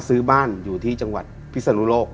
ซื้อบ้านอยู่ที่จังหวัดพิศนุโลก